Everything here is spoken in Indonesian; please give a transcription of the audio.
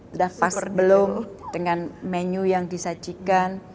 sudah pas belum dengan menu yang disajikan